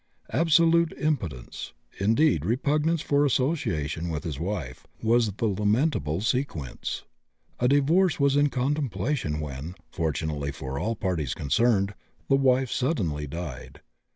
Absolute impotence indeed, repugnance for association with his wife was the lamentable sequence. A divorce was in contemplation when, fortunately for all parties concerned, the wife suddenly died.